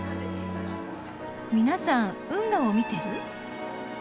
皆さん運河を見てる？